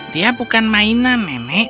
dia bukan mainan nenek